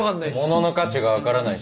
物の価値が分からない